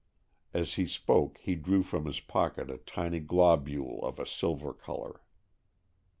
As he spoke he drew from his pocket a tiny globule of a silver color.